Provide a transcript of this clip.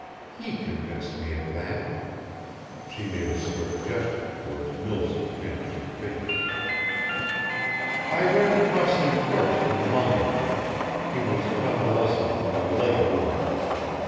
He convinced me of that." She made a swift gesture towards Mills' vanishing figure. "I ran across him first in London. He was convalescing from a leg wound.